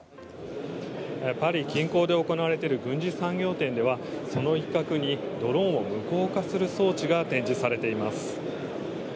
パリ近郊で行われている軍事産業展ではその一角にドローンを無効化する装置が展示されています。